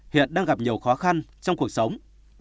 hiện đang gặp nhiều khó khăn trong cuộc sống